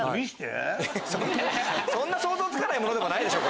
そんな想像つかないものでもないでしょ！